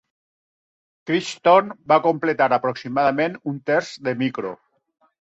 Crichton va completar aproximadament un terç de Micro.